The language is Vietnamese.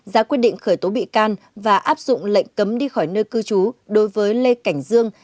giá quyết định khởi tố bị can và áp dụng lệnh cấm đi khỏi nơi cư trú đối với lê cảnh dương